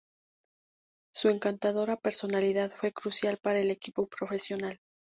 Su encantadora personalidad fue crucial para el equipo profesional.